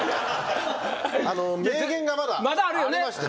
名言がまだありましてですね。